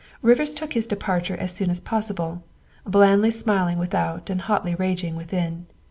Rivers took his departure as soon as possible, blandly smiling without and hotly raging within.